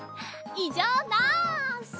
いじょうなし！